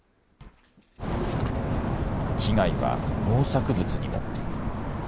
被害は農作物にも。